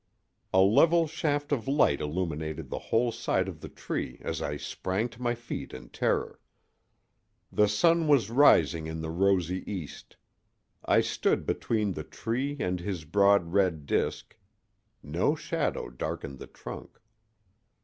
A level shaft of light illuminated the whole side of the tree as I sprang to my feet in terror. The sun was rising in the rosy east. I stood between the tree and his broad red disk—no shadow darkened the trunk!